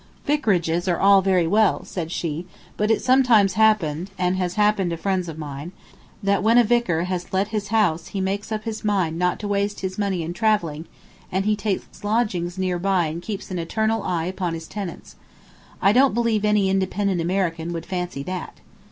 "Vicarages are all very well," said she, "but it sometimes happens, and has happened to friends of mine, that when a vicar has let his house he makes up his mind not to waste his money in travelling, and he takes lodgings near by and keeps an eternal eye upon his tenants. I don't believe any independent American would fancy that."